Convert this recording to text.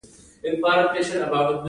د تولید ماشینونه او تاسیسات مجهز شي